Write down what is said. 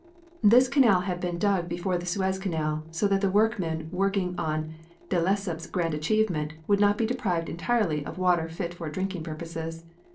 This canal had been dug before the Suez Canal, so that the workingmen working on De Lesseps' grand achievement would not be deprived entirely of water fit for drinking purposes.